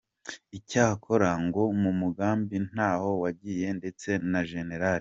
Icyakora, ngo umugambi ntaho wagiye, ndetse na Gen.